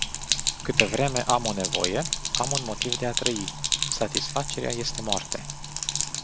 Câtă vreme am o nevoie, am un motiv de a trăi. Satisfacerea este moarte.